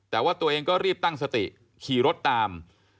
แต่ว่าตัวเองก็รีบตั้งสติขี่รถตาม